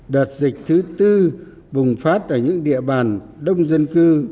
đợt dịch thứ tư bùng phát ở những địa bàn đông dân cư